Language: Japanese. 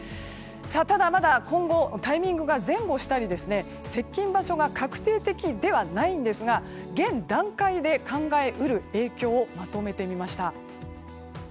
ただ、まだ今後タイミングが前後したり接近場所が確定的ではないんですが現段階で考え得る影響をまとめてみました。